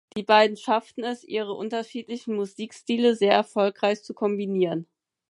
Die beiden schafften es, ihre unterschiedlichen Musikstile sehr erfolgreich zu kombinieren.